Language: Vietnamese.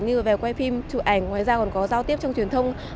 như về quay phim chụp ảnh ngoài ra còn có giao tiếp trong truyền thông